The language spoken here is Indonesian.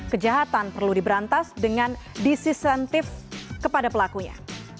kejahatan perlu diberantas dengan disisentif kepada pelakunya